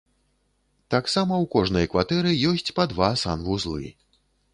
Таксама ў кожнай кватэры ёсць па два санвузлы.